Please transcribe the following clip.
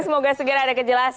semoga segera ada kejelasan